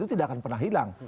itu tidak akan pernah hilang